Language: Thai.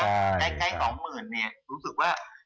ใกล้๒๐๐๐เนี่ยรู้สึกว่า